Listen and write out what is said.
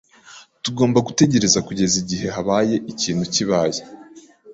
Tugomba gutegereza kugeza igihe habaye ikintu kibaye.